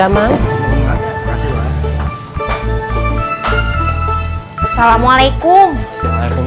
aku keluarkan mu sama sebentar